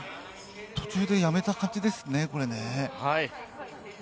もう途中でやめた感じですよね。